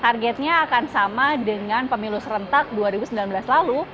targetnya akan sama dengan pemilu serentak dua ribu sembilan belas lalu